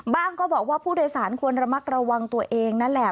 ก็บอกว่าผู้โดยสารควรระมัดระวังตัวเองนั่นแหละ